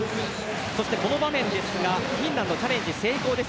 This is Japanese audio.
この場面ですがフィンランドのチャレンジ成功です。